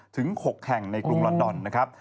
ถึง๖แห่งในกรุงลอนดอนนะครับ